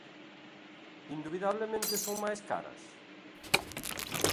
¿Indubidablemente son máis caras?